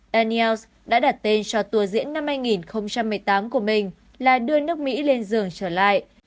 daniels đã đặt tên cho tour diễn năm hai nghìn một mươi tám của mình là đưa nước mỹ lên giường trở lại